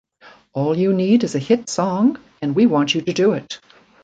All you need is a hit song, and we want you to do it.